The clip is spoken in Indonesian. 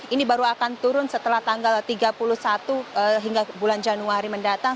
ini baru akan turun setelah tanggal tiga puluh satu hingga bulan januari mendatang